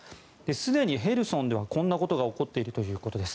すでにヘルソンではこんなことが起こっているということです。